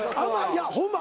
ホンマ。